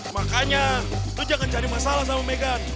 makanya lu jangan jadi masalah sama megan